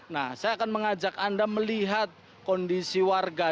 nah saya akan mengajak anda melihat kondisi warga